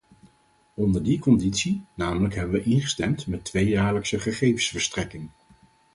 Onder die conditie, namelijk, hebben we ingestemd met tweejaarlijkse gegevensverstrekking.